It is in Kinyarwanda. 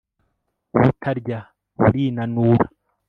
ubutarya burinanura